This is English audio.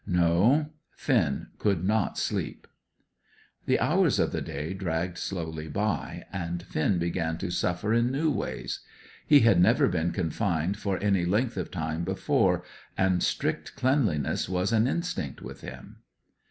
No, Finn could not sleep. The hours of the day dragged slowly by, and Finn began to suffer in new ways. He had never been confined for any length of time before, and strict cleanliness was an instinct with him.